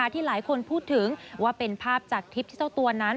ที่หลายคนพูดถึงว่าเป็นภาพจากทริปที่เจ้าตัวนั้น